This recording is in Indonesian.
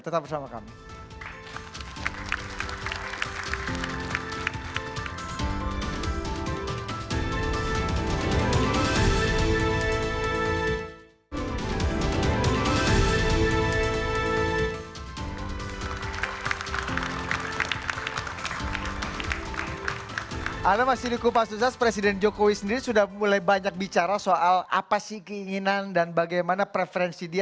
tetap bersama kami